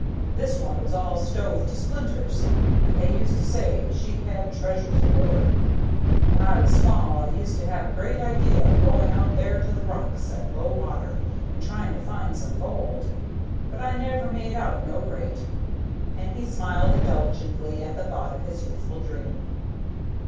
This one was all stove to splinters, and they used to say she had treasure aboard. When I was small I used to have a great idea of going out there to the rocks at low water and trying to find some gold, but I never made out no great." And he smiled indulgently at the thought of his youthful dream.